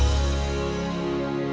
nih gara gara dia nih